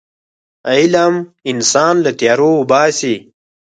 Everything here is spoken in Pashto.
علم انسان له تیارو وباسي.